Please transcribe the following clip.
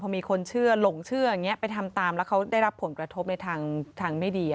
มีคนเชื่อหลงเชื่ออย่างนี้ไปทำตามแล้วเขาได้รับผลกระทบในทางไม่ดี